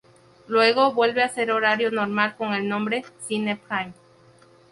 Luego vuelve a su horario normal con el nombre "Cine prime".